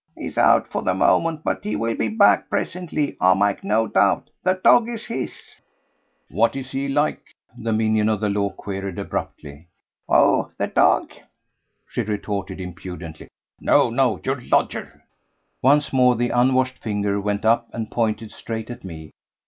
"He is out for the moment, but he will be back presently I make no doubt. The dog is his. ..." "What is he like?" the minion of the law queried abruptly. "Who? the dog?" she retorted impudently. "No, no! Your lodger." Once more the unwashed finger went up and pointed straight at me.